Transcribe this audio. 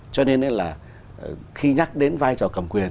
cho nên là khi nhắc đến vai trò cầm quyền